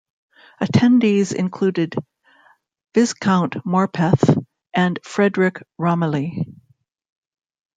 Attendees included Viscount Morpeth and Frederick Romilly.